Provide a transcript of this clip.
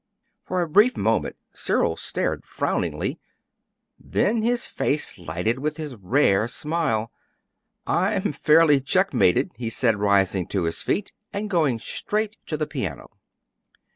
For a brief moment Cyril stared frowningly; then his face lighted with his rare smile. "I'm fairly checkmated," he said, rising to his feet and going straight to the piano.